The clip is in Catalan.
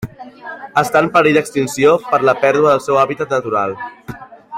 Està en perill d'extinció per la pèrdua del seu hàbitat natural.